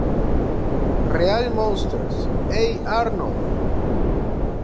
Real Monsters", "Hey Arnold!